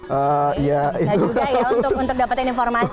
bisa juga ya untuk dapetin informasi